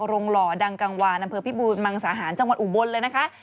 หล่อดังกังวานอำเภอพิบูรมังสาหารจังหวัดอุบลเลยนะคะ